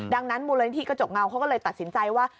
ดังนั้นมูลนิธิกระจกเงาเขาก็เลยตัดสินใจว่า